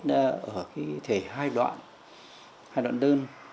của cái thể hai đoạn hai đoạn đơn